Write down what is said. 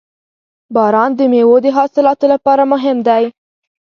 • باران د میوو د حاصلاتو لپاره مهم دی.